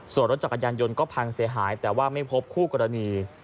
ส่วนรถจักรยานยนต์ก็พังเสียหายแต่ว่าไม่พบคู่กรณี